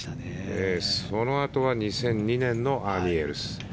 そのあとは２００２年のアーニー・エルス。